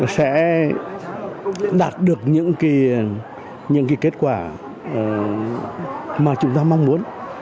sẽ đạt được những kết quả mà chúng ta mong muốn